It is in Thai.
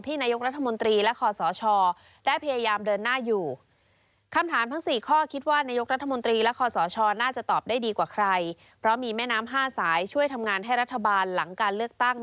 ที่นายกรัฐมนตรีและขอสอชอได้พยายามเดินหน้าอยู่